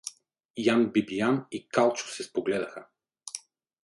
Ян Бибиян и Калчо се спогледаха.